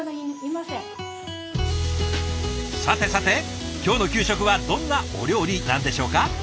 さてさて今日の給食はどんなお料理なんでしょうか？